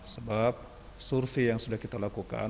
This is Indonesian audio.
sebab survei yang sudah kita lakukan